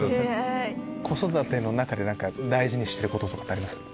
子育ての中で大事にしてることあります？